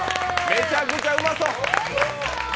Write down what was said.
めちゃくちゃうまそう。